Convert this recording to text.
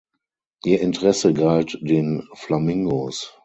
Ihr Interesse galt den Flamingos.